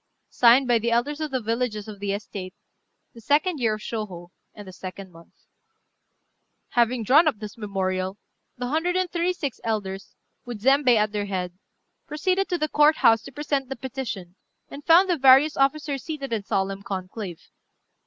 "Signed by the elders of the villages of the estate, the 2d year of Shôhô, and the 2d month." Having drawn up this memorial, the hundred and thirty six elders, with Zembei at their head, proceeded to the Court house to present the petition, and found the various officers seated in solemn conclave.